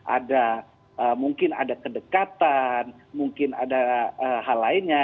ada mungkin ada kedekatan mungkin ada hal lainnya